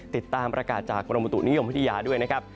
ติดตามประกาศจากกรมบุตุนิยมพัทยาด้วยนะครับ